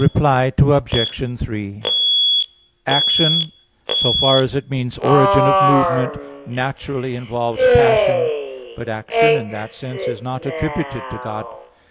Reply Obj. 3: Action, so far as it means origin of movement, naturally involves passion; but action in that sense is not attributed to God.